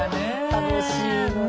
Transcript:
楽しいのよ。